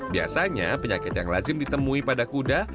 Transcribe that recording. biasanya penyakit yang lazim ditemui pada kuda